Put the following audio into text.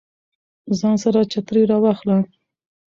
ځان سره چترۍ راواخله